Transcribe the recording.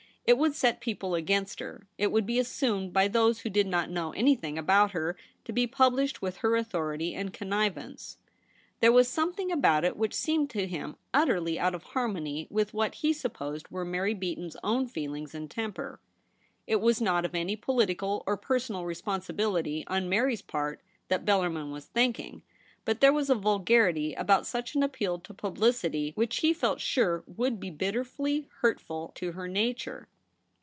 It would set people against her ; it would be assumed by those who did not know anything about her to be published with her authority and connivance. There was something about it which seemed to him utterly out of harmony with what he supposed were Mary Beaton's own feelings and temper. It was not of any political or personal responsibility on Mary's part that Bellarmin was thinking ; but there was a vulgarity about such an appeal to publicity which he felt sure would be bitterly hurtful to her nature.